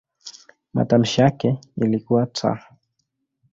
Matamshi yake ilikuwa "t".